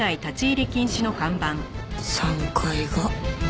３階が。